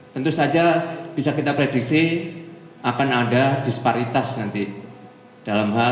tentu saja bisa kita prediksi akan ada disparitas nanti dalam hal